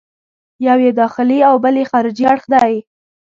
یو یې داخلي او بل یې خارجي اړخ دی.